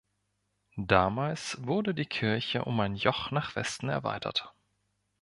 Damals wurde die Kirche um ein Joch nach Westen erweitert.